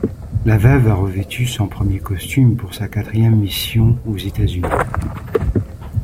La Veuve a revêtu son premier costume pour sa quatrième mission aux États-Unis.